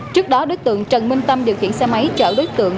trước đó đối tượng trần minh tâm điều khiển xe máy chở đối tượng